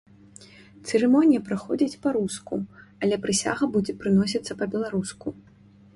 Цырымонія праходзіць па-руску, але прысяга будзе прыносіцца па-беларуску.